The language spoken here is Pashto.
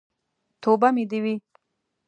توبه مې دې وي.